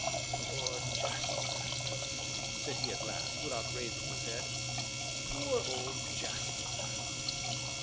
"Poor Jasper!" said he at last, without raising his head, "poor old Jasper!"